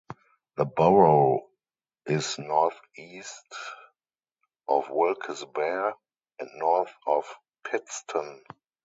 The borough is northeast of Wilkes-Barre and north of Pittston.